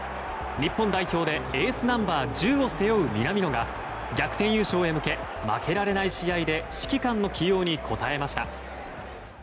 日本代表でエースナンバー１０を背負う南野が逆転優勝へ向け負けられない試合で指揮官の起用に応えました。